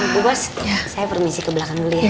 bu pas saya permisi ke belakang dulu ya